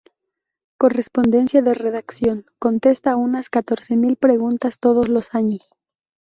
Correspondencia de Redacción, contesta unas catorce mil preguntas todos los años.